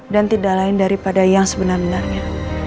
dan tidak lain daripada yang sebenar benarnya